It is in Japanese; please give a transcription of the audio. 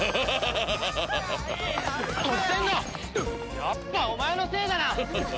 やっぱお前のせいだな！ハハハ。